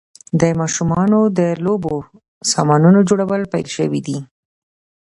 د ماشومانو د لوبو سامانونو جوړول پیل شوي دي.